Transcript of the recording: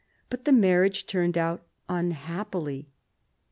But the marriage turned out unhappily.